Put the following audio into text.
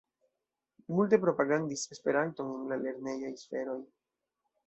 Multe propagandis Esperanton en la lernejaj sferoj.